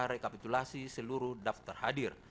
rekapitulasi seluruh daftar hadir